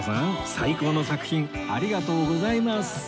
最高の作品ありがとうございます